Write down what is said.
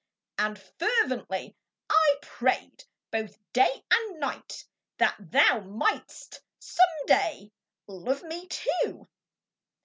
And fervently I pray'd both day and night That thou might'st some day love me too